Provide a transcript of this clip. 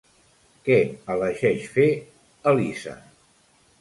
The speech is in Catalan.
Què elegeix fer Elisa?